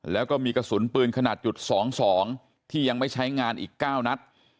แล้วก็มีกระสุนปืนขนาดจุด๒๒ที่ยังไม่ใช้งานอีก๙นัด